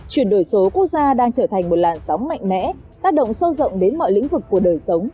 chuyển đổi số quốc gia đang trở thành một làn sóng mạnh mẽ tác động sâu rộng đến mọi lĩnh vực của đời sống